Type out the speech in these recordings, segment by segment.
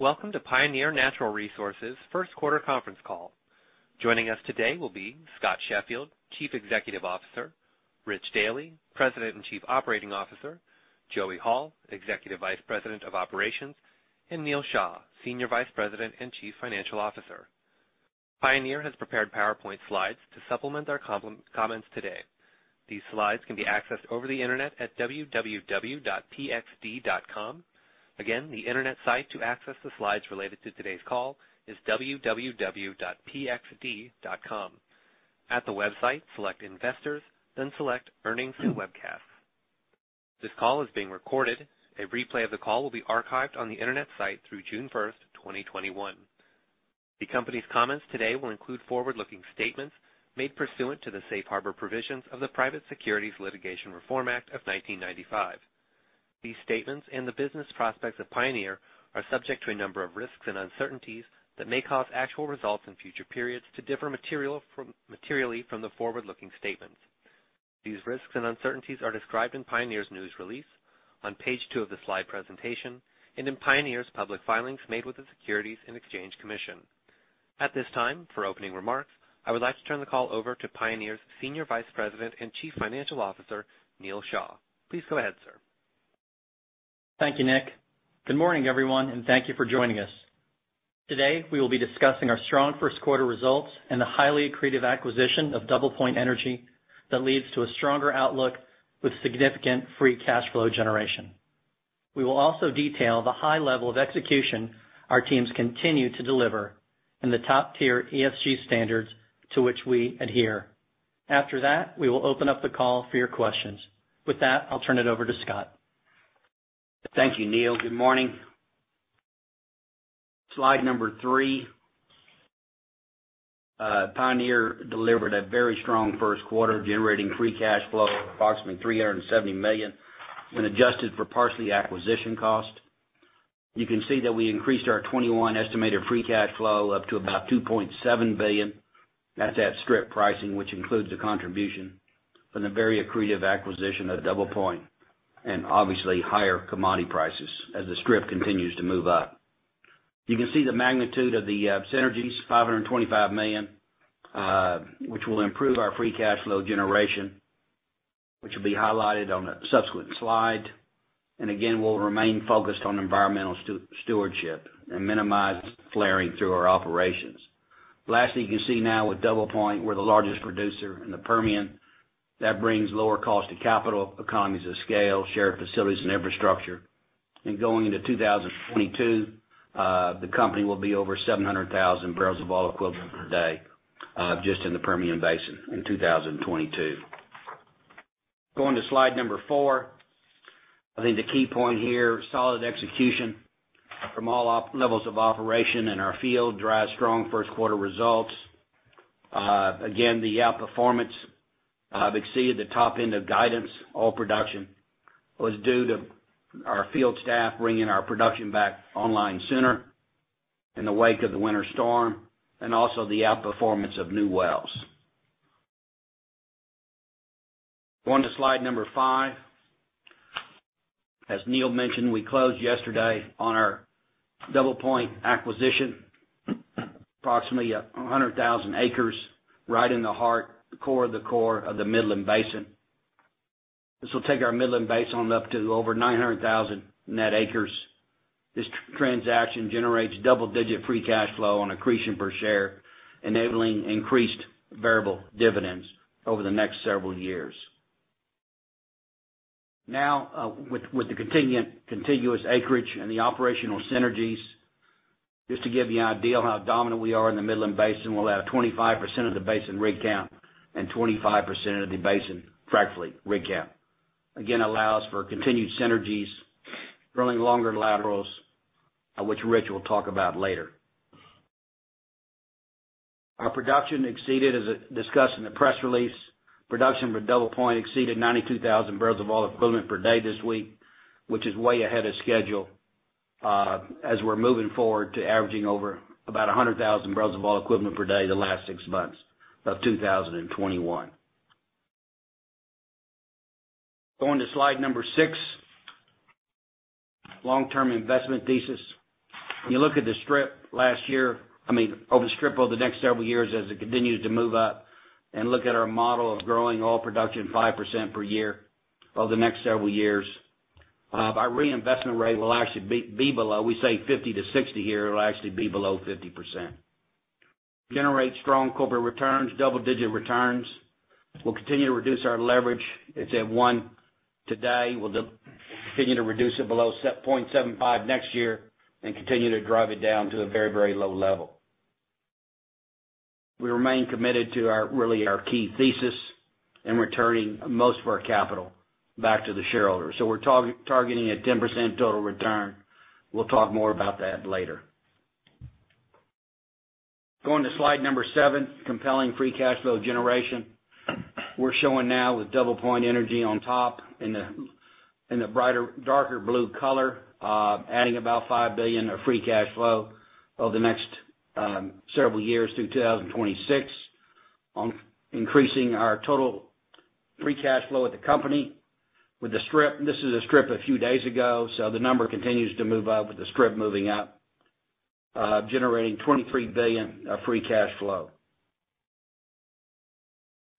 Welcome to Pioneer Natural Resources' first quarter conference call. Joining us today will be Scott Sheffield, Chief Executive Officer, Rich Dealy, President and Chief Operating Officer, Joey Hall, Executive Vice President of Operations, and Neal Shah, Senior Vice President and Chief Financial Officer. Pioneer has prepared PowerPoint slides to supplement our comments today. These slides can be accessed over the internet at www.pxd.com. Again, the internet site to access the slides related to today's call is www.pxd.com. At the website, select Investors, then select Earnings and Webcasts. This call is being recorded. A replay of the call will be archived on the internet site through June 1st, 2021. The company's comments today will include forward-looking statements made pursuant to the safe harbor provisions of the Private Securities Litigation Reform Act of 1995. These statements, and the business prospects of Pioneer, are subject to a number of risks and uncertainties that may cause actual results in future periods to differ materially from the forward-looking statements. These risks and uncertainties are described in Pioneer's news release, on page two of the slide presentation, and in Pioneer's public filings made with the Securities and Exchange Commission. At this time, for opening remarks, I would like to turn the call over to Pioneer's Senior Vice President and Chief Financial Officer, Neal Shah. Please go ahead, sir. Thank you, Nick. Good morning, everyone, and thank you for joining us. Today, we will be discussing our strong first quarter results and the highly accretive acquisition of DoublePoint Energy that leads to a stronger outlook with significant free cash flow generation. We will also detail the high level of execution our teams continue to deliver and the top-tier ESG standards to which we adhere. After that, we will open up the call for your questions. With that, I'll turn it over to Scott. Thank you, Neal. Good morning. Slide number three. Pioneer delivered a very strong first quarter, generating free cash flow of approximately $370 million when adjusted for Parsley acquisition cost. You can see that we increased our 2021 estimated free cash flow up to about $2.7 billion. That's at strip pricing, which includes the contribution from the very accretive acquisition of DoublePoint, obviously higher commodity prices as the strip continues to move up. You can see the magnitude of the synergies, $525 million, which will improve our free cash flow generation, which will be highlighted on a subsequent slide. Again, we'll remain focused on environmental stewardship and minimize flaring through our operations. Lastly, you can see now with DoublePoint, we're the largest producer in the Permian. That brings lower cost of capital, economies of scale, shared facilities, and infrastructure. Going into 2022, the company will be over 700,000 barrels of oil equivalent per day just in the Permian Basin in 2022. Going to slide number four. I think the key point here, solid execution from all levels of operation in our field drive strong first quarter results. Again, the outperformance exceeded the top end of guidance oil production was due to our field staff bringing our production back online sooner in the wake of the winter storm and also the outperformance of new wells. Going to slide number five. As Neal mentioned, we closed yesterday on our DoublePoint acquisition, approximately 100,000 acres right in the heart, the core of the core of the Midland Basin. This will take our Midland Basin on up to over 900,000 net acres. This transaction generates double-digit free cash flow on accretion per share, enabling increased variable dividends over the next several years. With the contiguous acreage and the operational synergies, just to give you an idea on how dominant we are in the Midland Basin, we'll have 25% of the basin rig count and 25% of the basin frac fleet rig count. Allows for continued synergies, drilling longer laterals, which Rich will talk about later. Our production exceeded, as discussed in the press release, production for DoublePoint exceeded 92,000 barrels of oil equivalent per day this week, which is way ahead of schedule as we're moving forward to averaging over about 100,000 barrels of oil equivalent per day the last six months of 2021. Going to slide number six, long-term investment thesis. When you look at the strip I mean, over the strip over the next several years as it continues to move up, and look at our model of growing oil production 5% per year over the next several years, our reinvestment rate will actually be below, we say 50%-60% here, it'll actually be below 50%. Generate strong corporate returns, double-digit returns. We'll continue to reduce our leverage. It's at one today. We'll continue to reduce it below 0.75 next year and continue to drive it down to a very low level. We remain committed to our key thesis in returning most of our capital back to the shareholders. We're targeting a 10% total return. We'll talk more about that later. Going to slide number seven, compelling free cash flow generation. We're showing now with DoublePoint Energy on top in the brighter, darker blue color, adding about $5 billion of free cash flow over the next several years through 2026. On increasing our total free cash flow at the company with the strip. This is a strip a few days ago, so the number continues to move up with the strip moving up, generating $23 billion of free cash flow.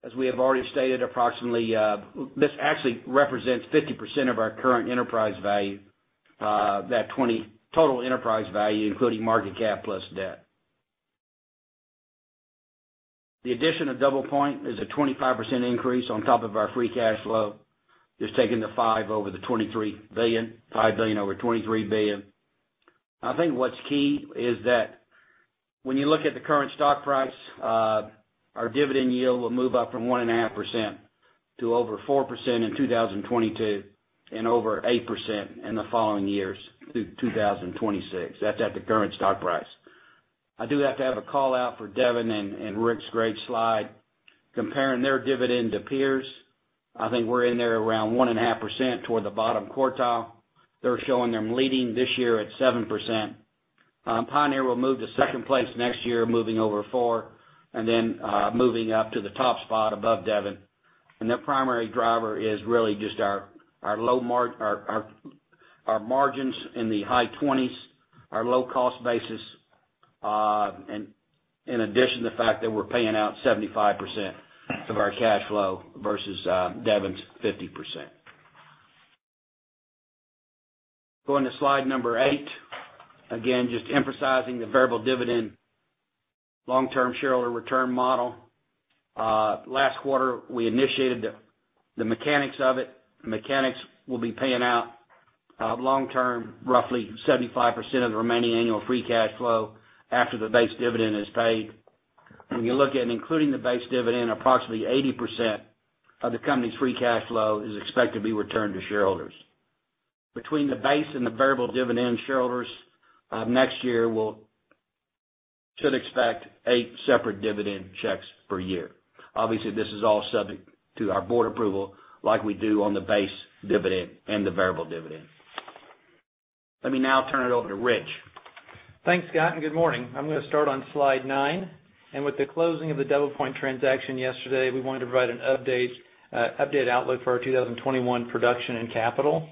As we have already stated, this actually represents 50% of our current enterprise value, that total enterprise value, including market cap plus debt. The addition of DoublePoint is a 25% increase on top of our free cash flow, just taking the $5 billion over the $23 billion. $5 billion over $23 billion. I think what's key is that when you look at the current stock price, our dividend yield will move up from 1.5% to over 4% in 2022 and over 8% in the following years through 2026. That's at the current stock price. I do have to have a call-out for Devon and Rich's great slide comparing their dividend to peers. I think we're in there around 1.5% toward the bottom quartile. They're showing them leading this year at 7%. Pioneer will move to second place next year, moving over four, and then moving up to the top spot above Devon. Their primary driver is really just our margins in the high 20s, our low-cost basis, and in addition, the fact that we're paying out 75% of our cash flow versus Devon's 50%. Going to slide number eight. Again, just emphasizing the variable dividend long-term shareholder return model. Last quarter, we initiated the mechanics of it. The mechanics will be paying out long-term, roughly 75% of the remaining annual free cash flow after the base dividend is paid. When you look at including the base dividend, approximately 80% of the company's free cash flow is expected to be returned to shareholders. Between the base and the variable dividend shareholders next year should expect eight separate dividend checks per year. Obviously, this is all subject to our board approval, like we do on the base dividend and the variable dividend. Let me now turn it over to Rich. Thanks, Scott, and good morning. I'm going to start on slide nine. With the closing of the DoublePoint transaction yesterday, we wanted to provide an updated outlook for our 2021 production in capital.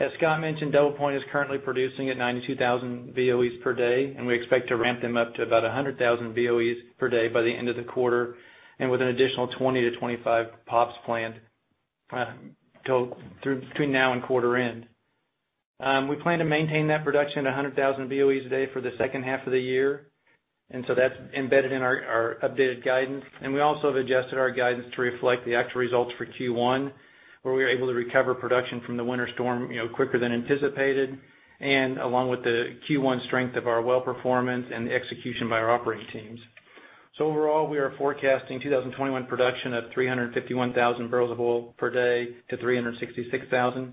As Scott mentioned, DoublePoint is currently producing at 92,000 BOEs per day, and we expect to ramp them up to about 100,000 BOEs per day by the end of the quarter, and with an additional 20 to 25 POPs planned between now and quarter end. We plan to maintain that production at 100,000 BOEs a day for the second half of the year, so that's embedded in our updated guidance. We also have adjusted our guidance to reflect the actual results for Q1, where we were able to recover production from the winter storm quicker than anticipated, and along with the Q1 strength of our well performance and the execution by our operating teams. Overall, we are forecasting 2021 production of 351,000 barrels of oil per day to 366,000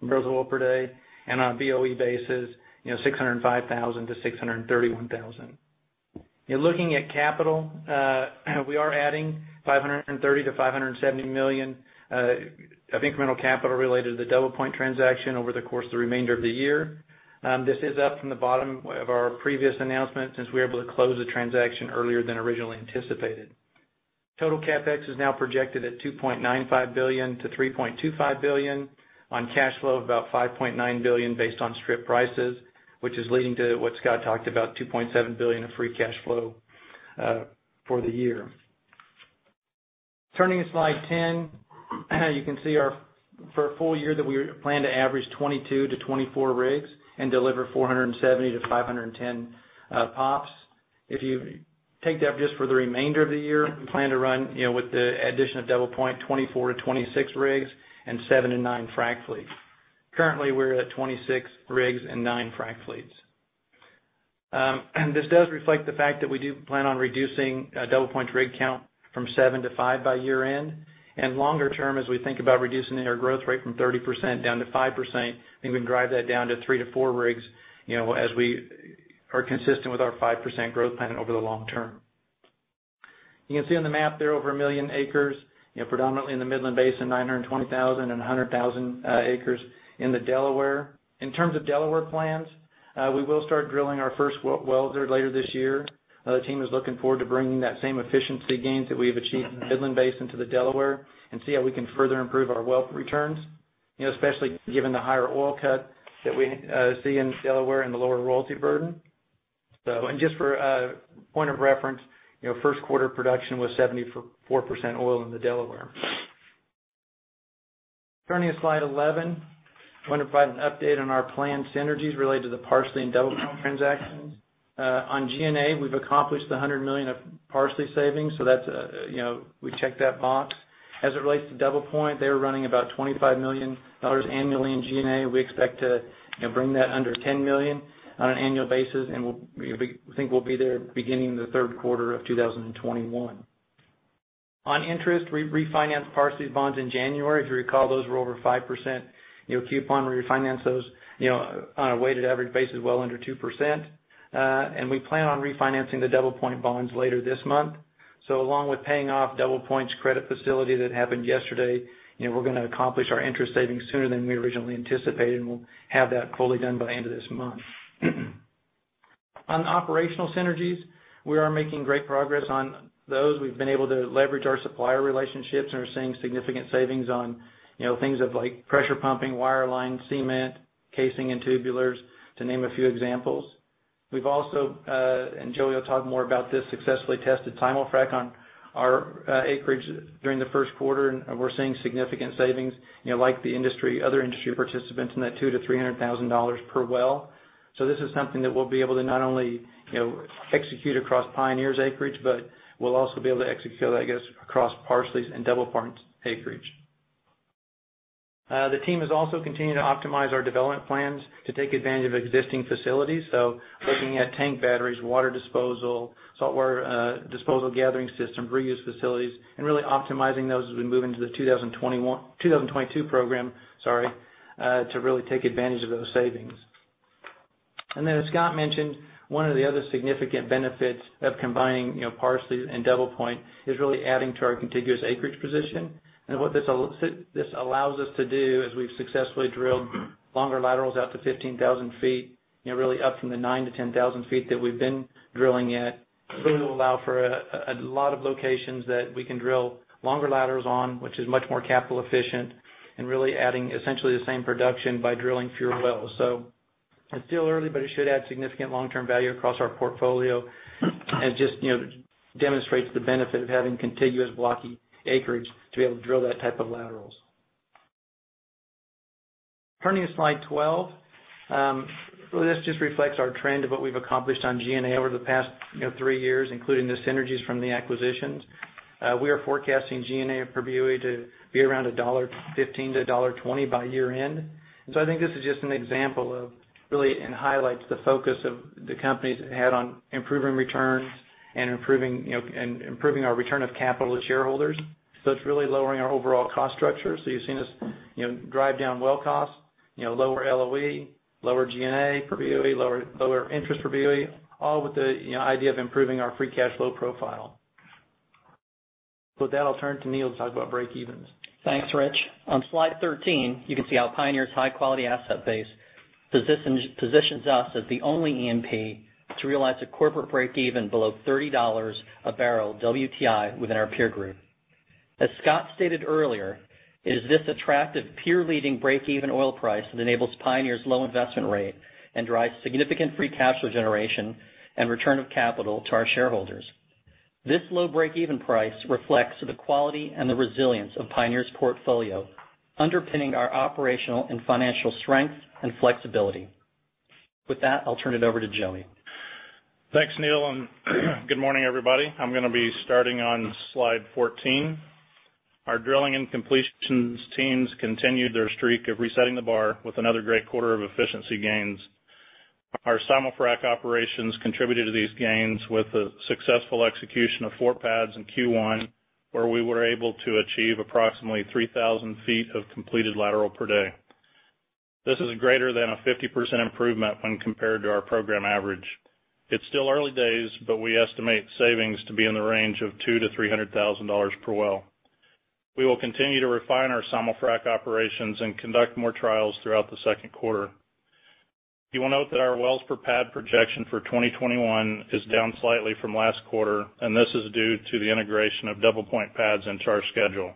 barrels of oil per day, and on a BOE basis, 605,000 to 631,000. Looking at capital, we are adding $530 million-$570 million of incremental capital related to the DoublePoint transaction over the course of the remainder of the year. This is up from the bottom of our previous announcement, since we were able to close the transaction earlier than originally anticipated. Total CapEx is now projected at $2.95 billion-$3.25 billion on cash flow of about $5.9 billion based on strip prices, which is leading to what Scott talked about, $2.7 billion of free cash flow for the year. Turning to slide 10. You can see for a full year that we plan to average 22-24 rigs and deliver 470-510 POPs. If you take that just for the remainder of the year, we plan to run, with the addition of DoublePoint, 24-26 rigs and 7-9 frac fleets. Currently, we're at 26 rigs and 9 frac fleets. This does reflect the fact that we do plan on reducing DoublePoint's rig count from 7 to 5 by year end. Longer term, as we think about reducing our growth rate from 30% down to 5%, we can drive that down to 3-4 rigs as we are consistent with our 5% growth plan over the long term. You can see on the map there over 1 million acres predominantly in the Midland Basin, 920,000 and 100,000 acres in the Delaware. In terms of Delaware plans, we will start drilling our first well there later this year. The team is looking forward to bringing that same efficiency gains that we've achieved in the Midland Basin to the Delaware and see how we can further improve our well returns, especially given the higher oil cut that we see in Delaware and the lower royalty burden. Just for a point of reference, first quarter production was 74% oil in the Delaware. Turning to slide 11. We want to provide an update on our planned synergies related to the Parsley and DoublePoint transactions. On G&A, we've accomplished the $100 million of Parsley savings, we checked that box. As it relates to DoublePoint, they were running about $25 million annually in G&A. We expect to bring that under $10 million on an annual basis, we think we'll be there beginning the third quarter of 2021. On interest, we refinanced Parsley's bonds in January. If you recall, those were over 5% coupon. We refinanced those on a weighted average basis well under 2%. We plan on refinancing the DoublePoint bonds later this month. Along with paying off DoublePoint's credit facility that happened yesterday, we're going to accomplish our interest savings sooner than we originally anticipated, and we'll have that fully done by the end of this month. On operational synergies, we are making great progress on those. We've been able to leverage our supplier relationships and are seeing significant savings on things of like pressure pumping, wireline, cement, casing, and tubulars, to name a few examples. We've also, and Joey will talk more about this, successfully tested simul-frac on our acreage during the first quarter, and we're seeing significant savings, like the other industry participants, in that $200,000-$300,000 per well. This is something that we'll be able to not only execute across Pioneer's acreage, but we'll also be able to execute, I guess, across Parsley and DoublePoint's acreage. The team has also continued to optimize our development plans to take advantage of existing facilities. Looking at tank batteries, water disposal, saltwater disposal gathering systems, reuse facilities, and really optimizing those as we move into the 2022 program to really take advantage of those savings. As Scott mentioned, one of the other significant benefits of combining Parsley and DoublePoint is really adding to our contiguous acreage position. What this allows us to do, as we've successfully drilled longer laterals out to 15,000 ft, really up from the 9,000 ft to 10,000 ft that we've been drilling at, it'll allow for a lot of locations that we can drill longer laterals on, which is much more capital efficient and really adding essentially the same production by drilling fewer wells. It's still early, but it should add significant long-term value across our portfolio and just demonstrates the benefit of having contiguous blocky acreage to be able to drill that type of laterals. Turning to slide 12. This just reflects our trend of what we've accomplished on G&A over the past three years, including the synergies from the acquisitions. We are forecasting G&A per BOE to be around $1.15 to $1.20 by year-end. I think this is just an example of really, and highlights the focus of the companies had on improving returns and improving our return of capital to shareholders. It's really lowering our overall cost structure. You've seen us drive down well costs, lower LOE, lower G&A per BOE, lower interest per BOE, all with the idea of improving our free cash flow profile. With that, I'll turn to Neal to talk about breakevens. Thanks, Rich. On slide 13, you can see how Pioneer's high-quality asset base positions us as the only E&P to realize a corporate breakeven below $30 a barrel WTI within our peer group. As Scott stated earlier, it is this attractive peer-leading breakeven oil price that enables Pioneer's low investment rate and drives significant free cash flow generation and return of capital to our shareholders. This low breakeven price reflects the quality and the resilience of Pioneer's portfolio, underpinning our operational and financial strength and flexibility. With that, I'll turn it over to Joey. Thanks, Neal. Good morning, everybody. I'm going to be starting on slide 14. Our drilling and completions teams continued their streak of resetting the bar with another great quarter of efficiency gains. Our simul-frac operations contributed to these gains with the successful execution of four pads in Q1, where we were able to achieve approximately 3,000 ft of completed lateral per day. This is greater than a 50% improvement when compared to our program average. It's still early days. We estimate savings to be in the range of $200,000-$300,000 per well. We will continue to refine our simul-frac operations and conduct more trials throughout the second quarter. You will note that our wells per pad projection for 2021 is down slightly from last quarter. This is due to the integration of DoublePoint pads into our schedule.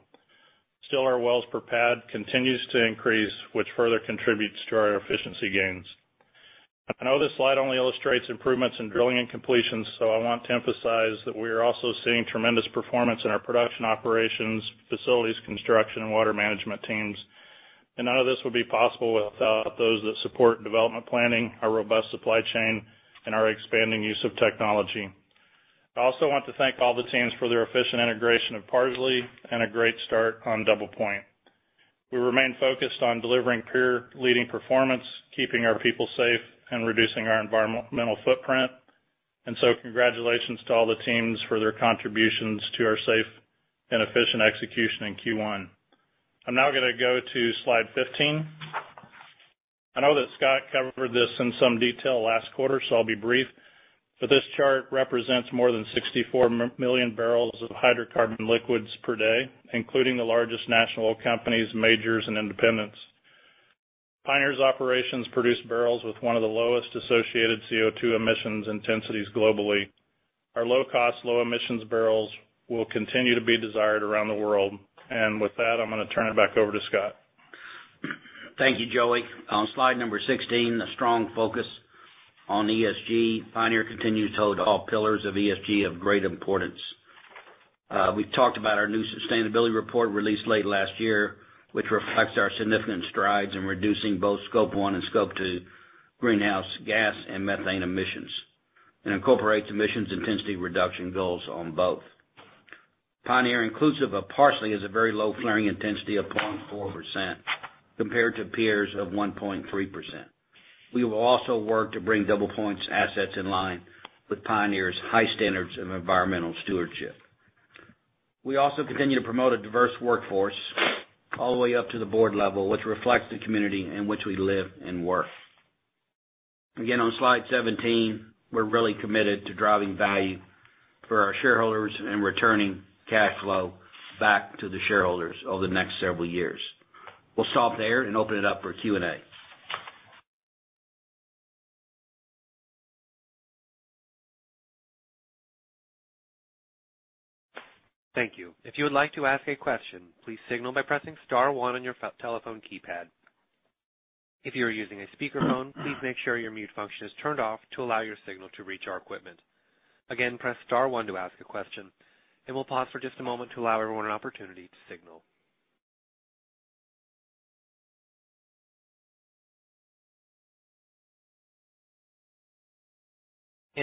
Our wells per pad continues to increase, which further contributes to our efficiency gains. I know this slide only illustrates improvements in drilling and completions, I want to emphasize that we are also seeing tremendous performance in our production operations, facilities construction, and water management teams. None of this would be possible without those that support development planning, our robust supply chain, and our expanding use of technology. I also want to thank all the teams for their efficient integration of Parsley and a great start on Doublepoint. We remain focused on delivering peer-leading performance, keeping our people safe, and reducing our environmental footprint. Congratulations to all the teams for their contributions to our safe and efficient execution in Q1. I'm now going to go to slide 15. I know that Scott covered this in some detail last quarter, so I'll be brief, but this chart represents more than 64 million barrels of hydrocarbon liquids per day, including the largest national oil companies, majors, and independents. Pioneer's operations produce barrels with one of the lowest associated CO2 emissions intensities globally. Our low-cost, low-emissions barrels will continue to be desired around the world. With that, I'm gonna turn it back over to Scott. Thank you, Joey. On slide number 16, a strong focus on ESG. Pioneer continues to hold all pillars of ESG of great importance. We've talked about our new sustainability report released late last year, which reflects our significant strides in reducing both Scope 1 and Scope 2 greenhouse gas and methane emissions and incorporates emissions intensity reduction goals on both. Pioneer, inclusive of Parsley, has a very low flaring intensity of 0.4%, compared to peers of 1.3%. We will also work to bring DoublePoint's assets in line with Pioneer's high standards of environmental stewardship. We also continue to promote a diverse workforce all the way up to the board level, which reflects the community in which we live and work. Again, on slide 17, we're really committed to driving value for our shareholders and returning cash flow back to the shareholders over the next several years. We'll stop there and open it up for Q&A.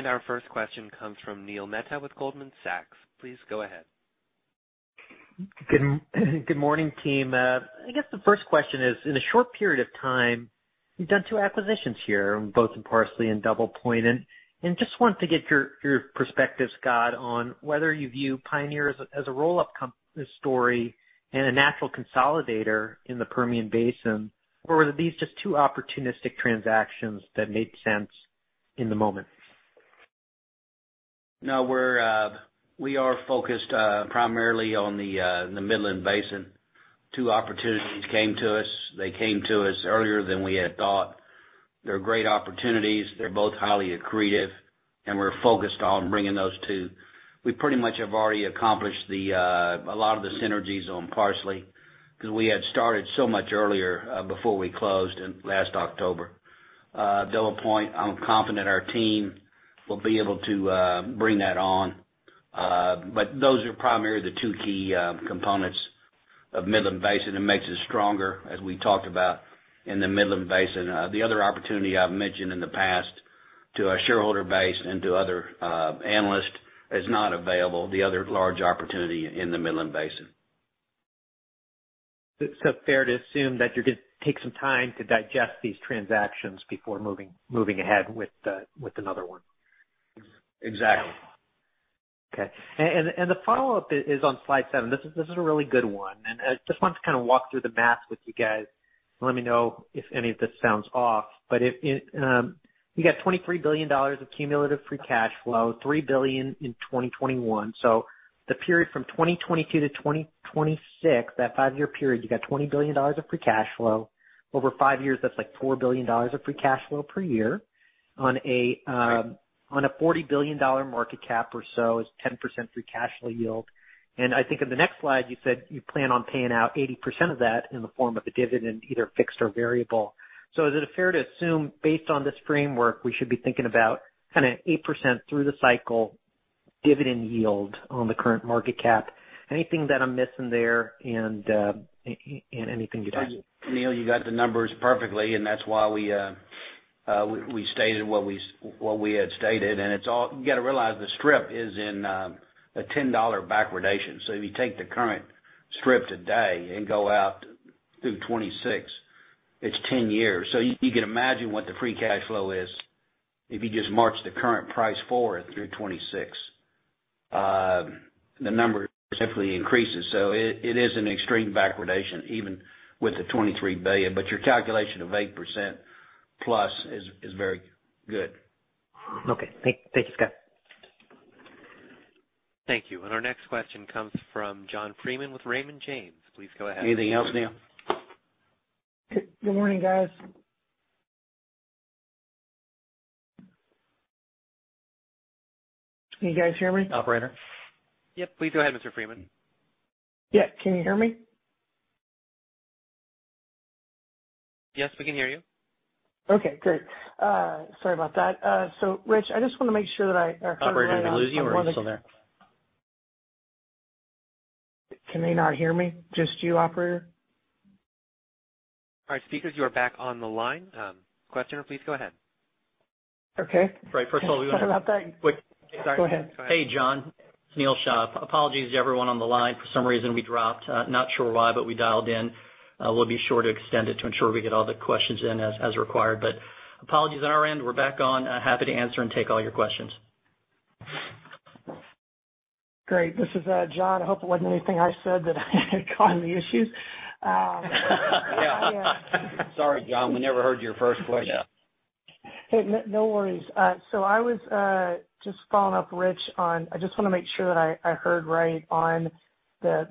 Our first question comes from Neil Mehta with Goldman Sachs. Please go ahead. Good morning, team. I guess the first question is, in a short period of time, you've done two acquisitions here, both in Parsley and DoublePoint. Just want to get your perspectives, Scott, on whether you view Pioneer as a roll-up story and a natural consolidator in the Permian Basin, or were these just two opportunistic transactions that made sense in the moment? No, we are focused primarily on the Midland Basin. Two opportunities came to us. They came to us earlier than we had thought. They're great opportunities. They're both highly accretive, and we're focused on bringing those two. We pretty much have already accomplished a lot of the synergies on Parsley because we had started so much earlier before we closed last October. DoublePoint, I'm confident our team will be able to bring that on. Those are primarily the two key components of Midland Basin. It makes us stronger, as we talked about in the Midland Basin. The other opportunity I've mentioned in the past to our shareholder base and to other analysts is not available, the other large opportunity in the Midland Basin. Fair to assume that you're going to take some time to digest these transactions before moving ahead with another one? Exactly. Okay. The follow-up is on slide seven. This is a really good one. I just want to kind of walk through the math with you guys. Let me know if any of this sounds off. You got $23 billion of cumulative free cash flow, $3 billion in 2021. The period from 2022 to 2026, that five-year period, you got $20 billion of free cash flow over five years. That's like $4 billion of free cash flow per year on a $40 billion market cap or so is 10% free cash flow yield. I think in the next slide, you said you plan on paying out 80% of that in the form of a dividend, either fixed or variable. Is it fair to assume, based on this framework, we should be thinking about kind of 8% through the cycle dividend yield on the current market cap? Anything that I'm missing there and anything you'd add? Neil, you got the numbers perfectly, and that's why we stated what we had stated. You got to realize, the strip is in a $10 backwardation. If you take the current strip today and go out through 2026, it's 10 years. You can imagine what the free cash flow is if you just march the current price forward through 2026. The number simply increases. It is an extreme backwardation, even with the $23 billion. Your calculation of 8%+ is very good. Okay. Thank you, Scott. Thank you. Our next question comes from John Freeman with Raymond James. Please go ahead. Anything else, Neil? Good morning, guys. Can you guys hear me? Operator? Yep, please go ahead, Mr. Freeman. Yeah. Can you hear me? Yes, we can hear you. Okay, great. Sorry about that. Rich, I just want to make sure that. Operator, did I lose you or are you still there? Can they not hear me? Just you, operator? All right, speakers, you are back on the line. Questioner, please go ahead. Okay. Right. Sorry about that. Quick. Sorry. Go ahead. Hey, John. It's Neal Shah. Apologies to everyone on the line. For some reason, we dropped. Not sure why, we dialed in. We'll be sure to extend it to ensure we get all the questions in as required. Apologies on our end. We're back on. Happy to answer and take all your questions. Great. This is John. I hope it wasn't anything I said that had caused the issues. Sorry, John, we never heard your first question. Yeah. Hey, no worries. I was just following up, Rich. I just want to make sure that I heard right on the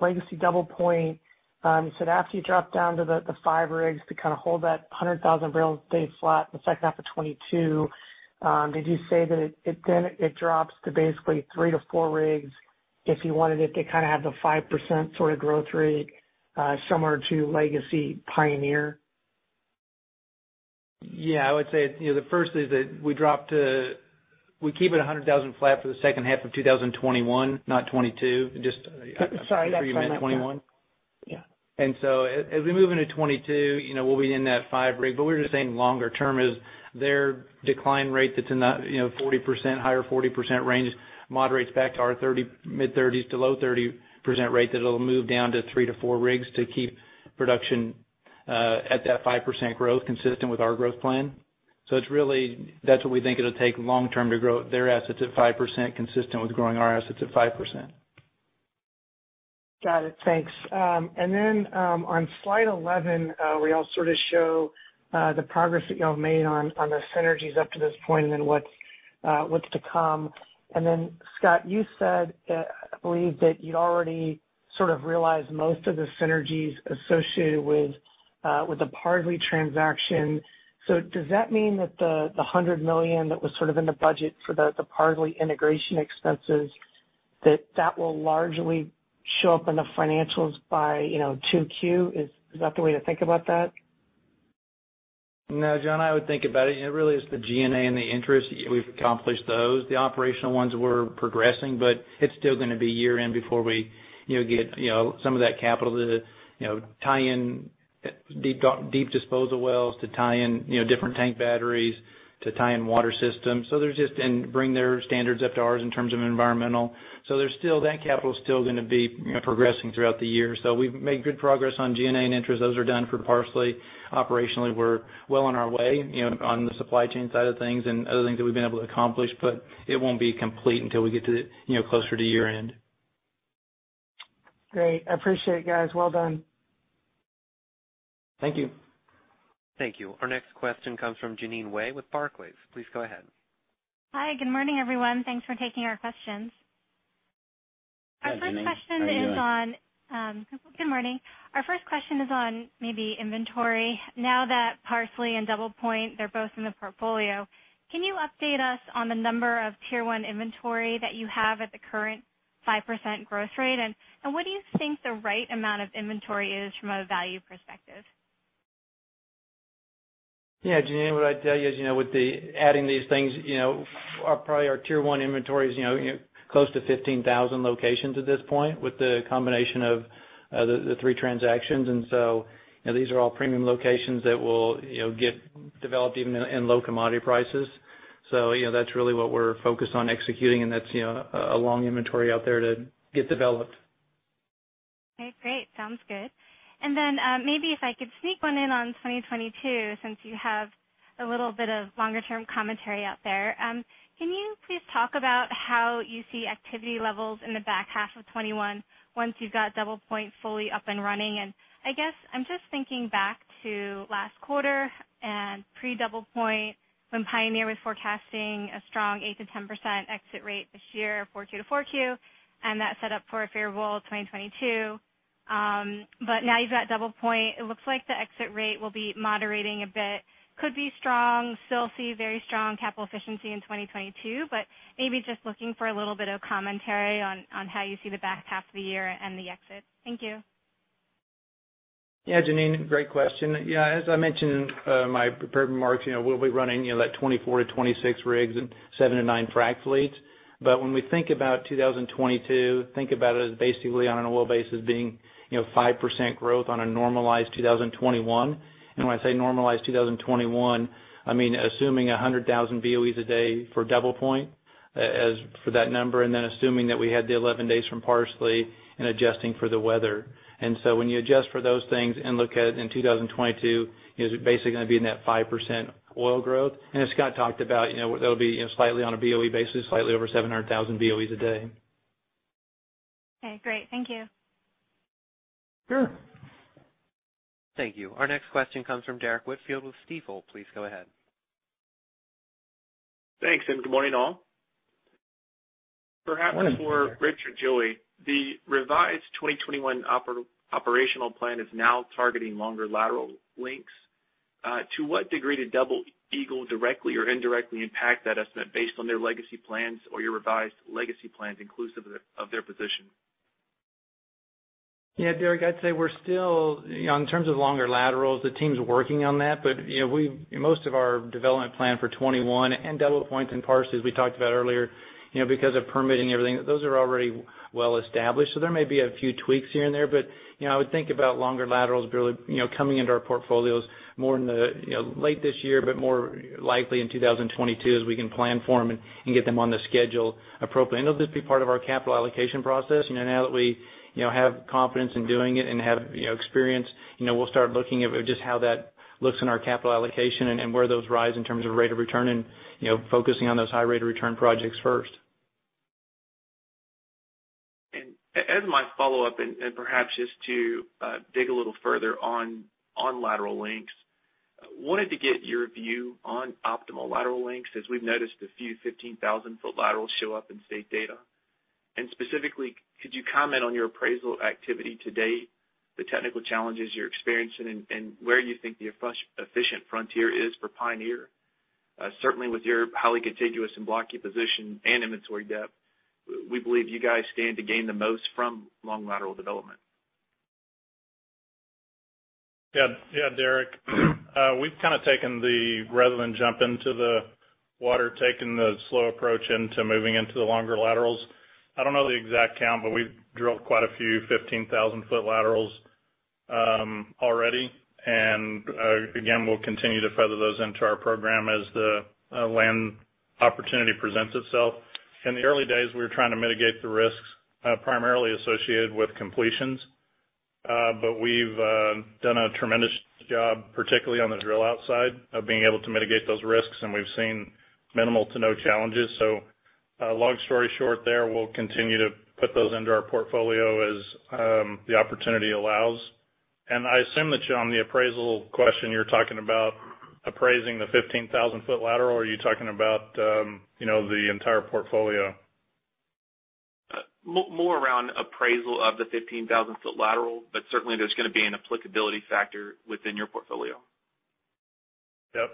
legacy DoublePoint. You said after you drop down to the 5 rigs to kind of hold that 100,000 barrels a day flat in the second half of 2022, did you say that it then drops to basically 3-4 rigs if you wanted it to kind of have the 5% sort of growth rate, similar to legacy Pioneer? Yeah, I would say the first is that we keep it 100,000 flat for the second half of 2021, not 2022. Sorry, I meant 2021. If we move into 2022, we'll be in that 5 rig. We were just saying longer term is their decline rate that's in the higher 40% range, moderates back to our mid-30s to low 30% rate, that it'll move down to 3-4 rigs to keep production at that 5% growth consistent with our growth plan. That's what we think it'll take long term to grow their assets at 5%, consistent with growing our assets at 5%. Got it. Thanks. On slide 11, we all sort of show the progress that y'all have made on the synergies up to this point and then what's. what's to come. Scott, you said, I believe that you'd already sort of realized most of the synergies associated with the Parsley transaction. Does that mean that the $100 million that was sort of in the budget for the Parsley integration expenses, that that will largely show up in the financials by 2Q? Is that the way to think about that? No, John, I would think about it really is the G&A and the interest. We've accomplished those. The operational ones, we're progressing, but it's still going to be year-end before we get some of that capital to tie in deep disposal wells, to tie in different tank batteries, to tie in water systems. There's just-- and bring their standards up to ours in terms of environmental. That capital is still going to be progressing throughout the year. We've made good progress on G&A and interest. Those are done for Parsley. Operationally, we're well on our way on the supply chain side of things and other things that we've been able to accomplish. It won't be complete until we get to closer to year-end. Great. I appreciate it, guys. Well done. Thank you. Thank you. Our next question comes from Jeanine Wai with Barclays. Please go ahead. Hi, good morning, everyone. Thanks for taking our questions. Hi, Jeanine. How are you doing? Good morning. Our first question is on maybe inventory. Now that Parsley and DoublePoint, they're both in the portfolio, can you update us on the number of Tier 1 inventory that you have at the current 5% growth rate? What do you think the right amount of inventory is from a value perspective? Yeah. Jeanine, what I'd tell you is, with adding these things, probably our Tier 1 inventory is close to 15,000 locations at this point with the combination of the three transactions. These are all premium locations that will get developed even in low commodity prices. That's really what we're focused on executing, and that's a long inventory out there to get developed. Okay, great. Sounds good. Maybe if I could sneak one in on 2022, since you have a little bit of longer-term commentary out there. Can you please talk about how you see activity levels in the back half of 2021 once you've got DoublePoint fully up and running? I guess I'm just thinking back to last quarter and pre-DoublePoint when Pioneer was forecasting a strong 8%-10% exit rate this year, 4Q to 4Q, and that set up for a favorable 2022. Now you've got DoublePoint. It looks like the exit rate will be moderating a bit. Could be strong, still see very strong capital efficiency in 2022, but maybe just looking for a little bit of commentary on how you see the back half of the year and the exit. Thank you. Yeah, Jeanine, great question. Yeah, as I mentioned in my prepared remarks, we'll be running that 24-26 rigs and 7-9 frac fleets. When we think about 2022, think about it as basically on an oil basis being 5% growth on a normalized 2021. When I say normalized 2021, I mean assuming 100,000 BOEs a day for DoublePoint as for that number, assuming that we had the 11 days from Parsley and adjusting for the weather. When you adjust for those things and look at it in 2022, it's basically going to be net 5% oil growth. As Scott talked about, that'll be slightly on a BOE basis, slightly over 700,000 BOEs a day. Okay, great. Thank you. Sure. Thank you. Our next question comes from Derrick Whitfield with Stifel. Please go ahead. Thanks, and good morning, all. Morning, Derrick. Perhaps for Rich or Joey, the revised 2021 operational plan is now targeting longer lateral lengths. To what degree did Double Eagle directly or indirectly impact that estimate based on their legacy plans or your revised legacy plans inclusive of their position? Yeah, Derrick, I'd say we're still, in terms of longer laterals, the team's working on that. Most of our development plan for 2021 and DoublePoint and Parsley, as we talked about earlier, because of permitting and everything, those are already well established. There may be a few tweaks here and there, but I would think about longer laterals really coming into our portfolios more in the late this year, but more likely in 2022 as we can plan for them and get them on the schedule appropriately. They'll just be part of our capital allocation process. Now that we have confidence in doing it and have experience, we'll start looking at just how that looks in our capital allocation and where those rise in terms of rate of return and focusing on those high rate of return projects first. As my follow-up, and perhaps just to dig a little further on lateral lengths. Wanted to get your view on optimal lateral lengths, as we've noticed a few 15,000-ft laterals show up in state data. Specifically, could you comment on your appraisal activity to date, the technical challenges you're experiencing, and where you think the efficient frontier is for Pioneer? Certainly with your highly contiguous and blocky position and inventory depth, we believe you guys stand to gain the most from long lateral development. Derrick, we've kind of rather than jump into the water, taken the slow approach into moving into the longer laterals. I don't know the exact count, we've drilled quite a few 15,000-ft laterals already. Again, we'll continue to feather those into our program as the land opportunity presents itself. In the early days, we were trying to mitigate the risks, primarily associated with completions. We've done a tremendous job, particularly on the drill out side, of being able to mitigate those risks, and we've seen minimal to no challenges. Long story short there, we'll continue to put those into our portfolio as the opportunity allows. I assume that you're on the appraisal question, you're talking about appraising the 15,000-ft lateral, or are you talking about the entire portfolio? More around appraisal of the 15,000-ft lateral, but certainly there's going to be an applicability factor within your portfolio. Yep.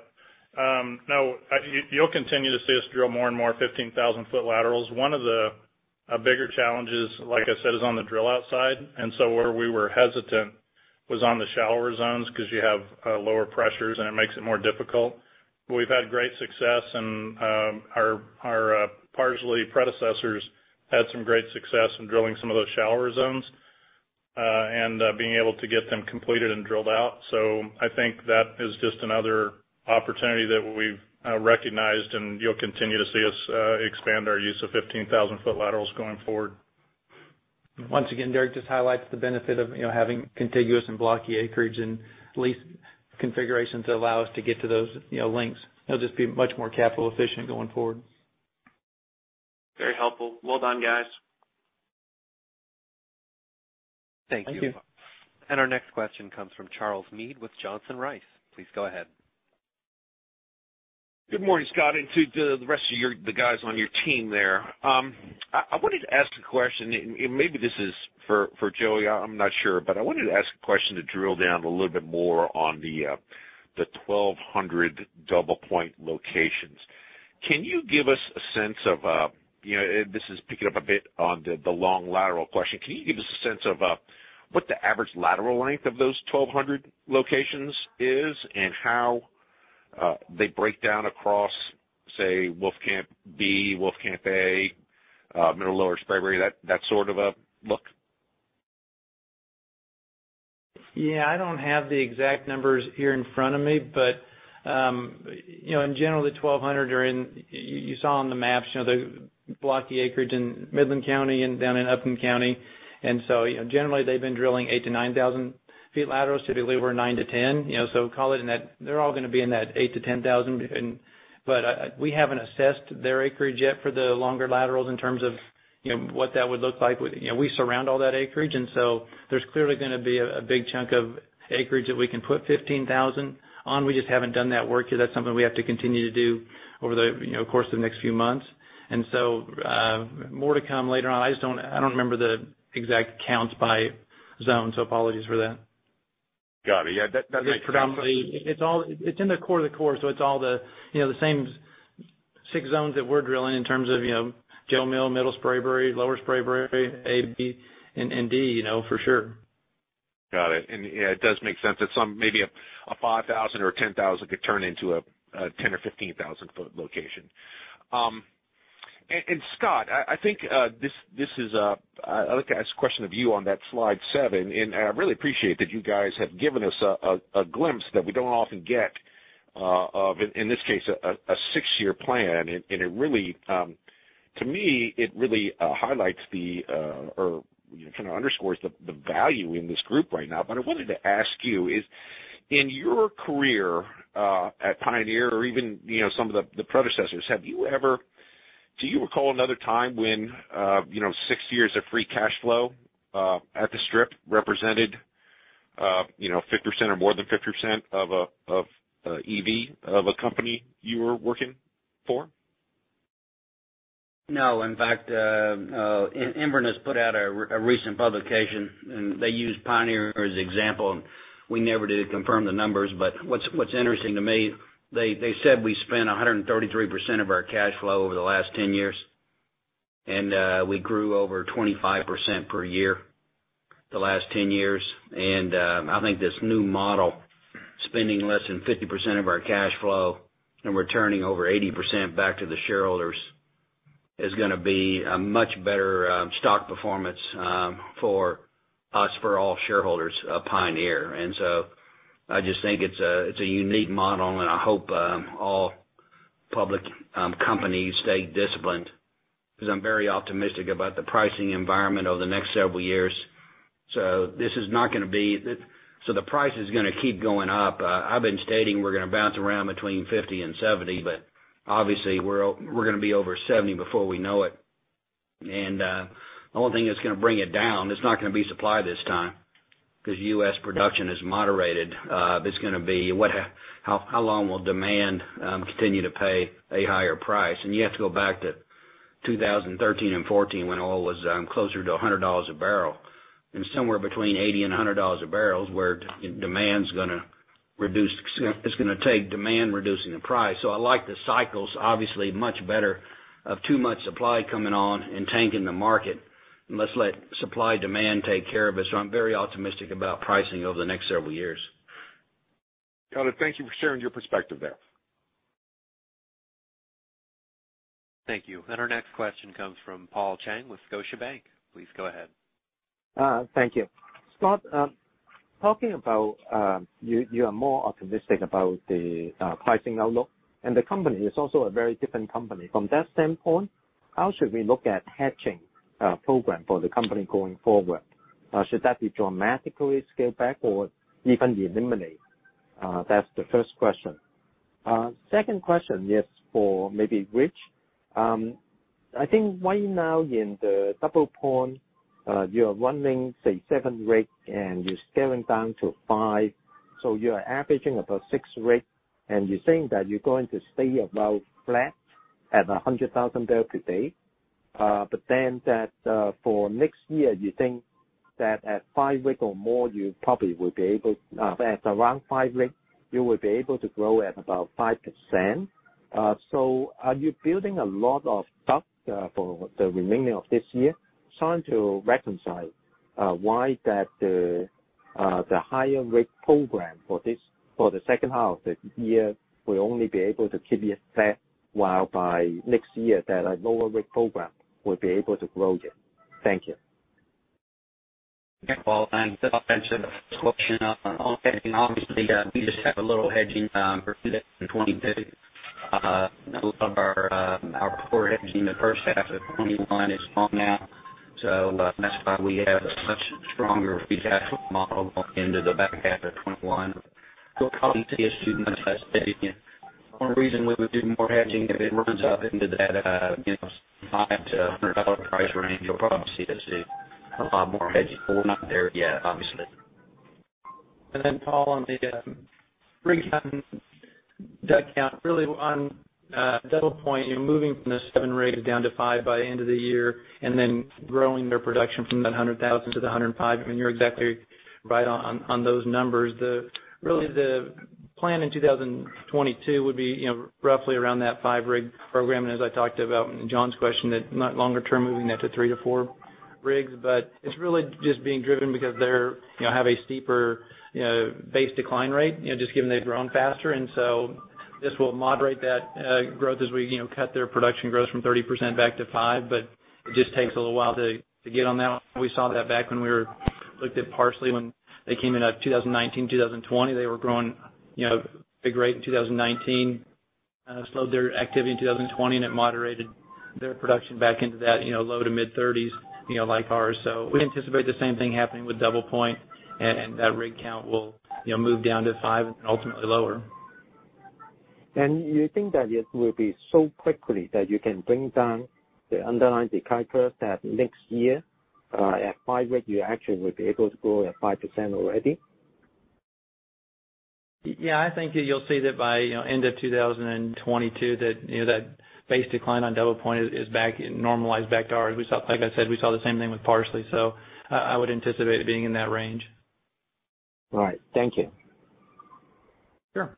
You'll continue to see us drill more and more 15,000-ft laterals. One of the bigger challenges, like I said, is on the drill outside. Where we were hesitant was on the shallower zones, because you have lower pressures, and it makes it more difficult. We've had great success, and our Parsley predecessors had some great success in drilling some of those shallower zones, and being able to get them completed and drilled out. I think that is just another opportunity that we've recognized, and you'll continue to see us expand our use of 15,000-ft laterals going forward. Once again, Derrick, just highlights the benefit of having contiguous and blocky acreage and lease configurations that allow us to get to those links. It'll just be much more capital efficient going forward. Very helpful. Well done, guys. Thank you. Thank you. Our next question comes from Charles Meade with Johnson Rice. Please go ahead. Good morning, Scott, and to the rest of the guys on your team there. I wanted to ask a question, and maybe this is for Joey, I'm not sure, but I wanted to ask a question to drill down a little bit more on the 1,200 DoublePoint locations. This is picking up a bit on the long lateral question. Can you give us a sense of what the average lateral length of those 1,200 locations is, and how they break down across, say, Wolfcamp B, Wolfcamp A, Middle and Lower Spraberry, that sort of look? Yeah. I don't have the exact numbers here in front of me, but, in general, the 1,200 are in, you saw on the maps, the blocky acreage in Midland County and down in Upton County. Generally, they've been drilling 8,000 ft to 9,000 ft laterals, typically we're 9,000 ft to 10,000 ft. Call it in that they're all going to be in that 8,000 ft to 10,000 ft. We haven't assessed their acreage yet for the longer laterals in terms of what that would look like. We surround all that acreage, there's clearly going to be a big chunk of acreage that we can put 15,000 ft on. We just haven't done that work yet. That's something we have to continue to do over the course of the next few months. More to come later on. I don't remember the exact counts by zone, so apologies for that. Got it. Yeah, that makes sense. It's in the core of the core, so it's all the same six zones that we're drilling in terms of Jo Mill, Middle Spraberry, Lower Spraberry, A, B, and D, for sure. Got it. Yeah, it does make sense that maybe a 5,000 ft or a 10,000 ft could turn into a 10,000 ft or 15,000-ft location. Scott, I'd like to ask a question of you on that slide seven, and I really appreciate that you guys have given us a glimpse that we don't often get, of, in this case, a six-year plan. To me, it really highlights the, or kind of underscores the value in this group right now. I wanted to ask you is, in your career at Pioneer or even some of the predecessors, do you recall another time when six years of free cash flow at the strip represented 50% or more than 50% of EV of a company you were working for? No. In fact, Enverus put out a recent publication, and they used Pioneer as example. We never did confirm the numbers, but what's interesting to me, they said we spent 133% of our cash flow over the last 10 years. We grew over 25% per year the last 10 years. I think this new model, spending less than 50% of our cash flow and returning over 80% back to the shareholders, is going to be a much better stock performance for us, for all shareholders of Pioneer. I just think it's a unique model, and I hope all public companies stay disciplined, because I'm very optimistic about the pricing environment over the next several years. The price is going to keep going up. I've been stating we're going to bounce around between $50 and $70. Obviously, we're going to be over $70 before we know it. The only thing that's going to bring it down, it's not going to be supply this time, because U.S. production has moderated. It's going to be how long will demand continue to pay a higher price? You have to go back to 2013 and 2014 when oil was closer to $100 a barrel, and somewhere between $80 and $100 a barrel is where demand's going to reduce. It's going to take demand reducing the price. I like the cycles. Obviously, much better of too much supply coming on and tanking the market. Let's let supply-demand take care of it. I'm very optimistic about pricing over the next several years. Got it. Thank you for sharing your perspective there. Thank you. Our next question comes from Paul Cheng with Scotiabank. Please go ahead. Thank you. Scott, talking about you are more optimistic about the pricing outlook, and the company is also a very different company. From that standpoint, how should we look at hedging program for the company going forward? Should that be dramatically scaled back or even eliminated? That's the first question. Second question, yes, for maybe Rich. I think right now in the DoublePoint, you're running, say, 7 rigs and you're scaling down to 5. You're averaging about 6 rigs, and you're saying that you're going to stay about flat at 100,000 barrels per day. That for next year, you think that at 5 rigs or more, At around 5 rigs, you will be able to grow at about 5%. Trying to reconcile why that the higher rig program for the second half of the year will only be able to keep you flat, while by next year that a lower rig program will be able to grow again. Thank you. Yeah. Paul, on the first question on hedging, obviously, we just have a little hedging for 2022. Most of our poor hedging in the first half of 2021 is gone now, so that's why we have a much stronger free cash flow model into the back half of 2021. You'll probably see us do much hedging. Only reason we would do more hedging, if it runs up into that $75-$100 price range, you'll probably see us do a lot more hedging, but we're not there yet, obviously. Paul, on the rig count, really on DoublePoint, you're moving from the 7 rigs down to 5 by end of the year and then growing their production from the 100,000 to the 105,000. I mean, you're exactly right on those numbers. Really, the plan in 2022 would be roughly around that 5-rig program. As I talked about in John's question, that longer term, moving that to 3-4 rigs. It's really just being driven because they have a steeper base decline rate, just given they've grown faster. This will moderate that growth as we cut their production growth from 30% back to 5%. It just takes a little while to get on that. We saw that back when we looked at Parsley when they came in at 2019, 2020. They were growing big rate in 2019. Slowed their activity in 2020, and it moderated their production back into that low to mid-30s like ours. We anticipate the same thing happening with DoublePoint, and that rig count will move down to five and ultimately lower. You think that it will be so quickly that you can bring down the underlying decline curves that next year, at five rig, you actually will be able to grow at 5% already? Yeah. I think you'll see that by end of 2022, that base decline on DoublePoint is normalized back to ours. Like I said, we saw the same thing with Parsley. I would anticipate it being in that range. All right. Thank you. Sure.